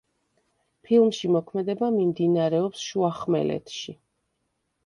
ფილმში მოქმედება მიმდინარეობს შუახმელეთში.